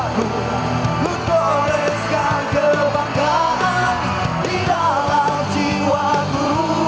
ku koleskan kebanggaan di dalam jiwaku